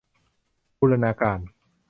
บูรณาการ